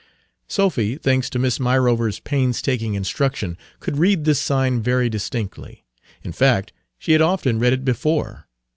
Page 288 Sophy, thanks to Miss Myrover's painstaking instruction, could read this sign very distinctly. In fact, she had often read it before.